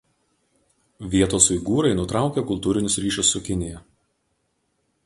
Vietos uigūrai nutraukė kultūrinius ryšius su Kinija.